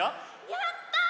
やった！